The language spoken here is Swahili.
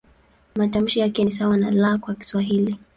Matamshi yake ni sawa na "L" kwa Kiswahili.